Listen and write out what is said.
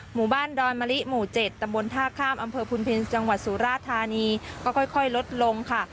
หมู่บ้านดอนมะลิหมู่๗ตำบลท่าข้ามอำเภอพุนพินจังหวัดสุราธานีก็ค่อยลดลงค่ะ